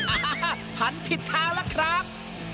อ่าหันผิดทางล่ะครับ